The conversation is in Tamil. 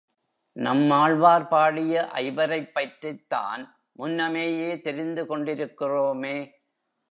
நம்மாழ்வார் பாடிய ஐவரைப் பற்றித்தான் முன்னமேயே தெரிந்து கொண்டிருக்கிறோமே.